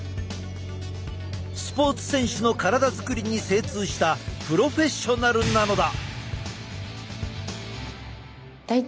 スポーツ選手の体作りに精通したプロフェッショナルなのだ！